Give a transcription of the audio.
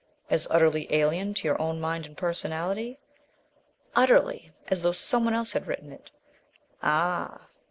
"As utterly alien to your own mind and personality?" "Utterly! As though some one else had written it " "Ah!"